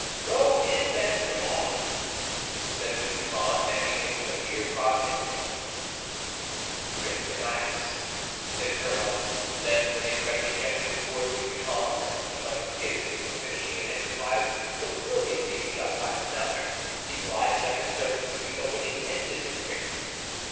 "Go in, then, Grimaud," said Mousqueton, handing him the beer pot and gimlet. "Rinse the glasses," said Grimaud. Then with a friendly gesture toward Mousqueton, that he might forgive him for finishing an enterprise so brilliantly begun by another, he glided like a serpent through the opening and disappeared.